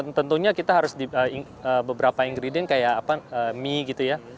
ya tentunya kita harus beberapa ingredient kayak apa mie gitu ya